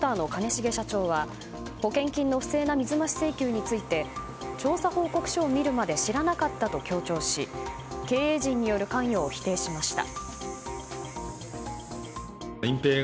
重社長は保険金の不正な水増し請求について調査報告書を見るまで知らなかったと強調し経営陣による関与を否定しました。